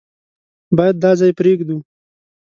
بايد دا ځای پرېږدو.